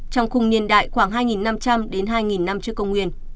trong khung niên đại khoảng hai năm trăm linh đến hai năm trước công nguyên